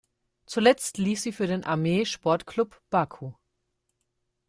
Zuletzt lief sie für den Armee Sport Club, Baku.